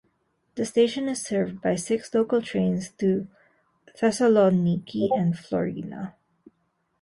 The station is served by six local trains to Thessaloniki and Florina.